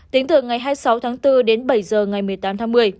tính từ ngày hai mươi sáu tháng bốn đến bảy giờ ngày một mươi tám tháng một mươi